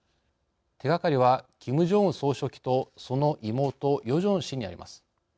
手がかりはキム・ジョンウン総書記とその妹ヨジョン氏にあります。